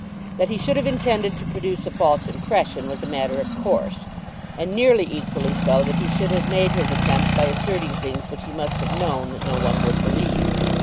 That he should have intended to produce a false impression was a matter of course, and nearly equally so that he should have made his attempt by asserting things which he must have known that no one would believe.